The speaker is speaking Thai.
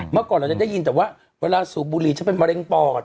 เมื่อก่อนเราจะได้ยินแต่ว่าเวลาสูบบุหรี่ฉันเป็นมะเร็งปอด